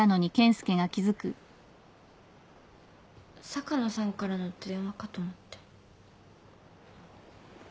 坂野さんからの電話かと思って。